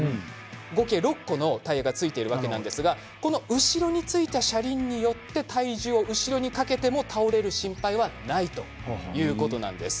合計６個のタイヤがついているわけですがこの後ろについた車輪によって体重を後ろにかけても倒れる心配はないということなんです。